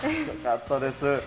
よかったです。